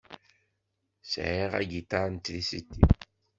Sεiɣ agiṭar n trisiti.